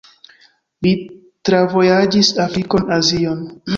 Li travojaĝis Afrikon, Azion.